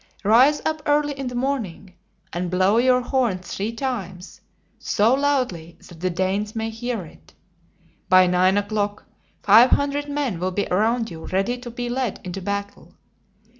Rise up early in the morning and blow your horn three times, so loudly that the Danes may hear it. By nine o'clock, five hundred men will be around you ready to be led into battle.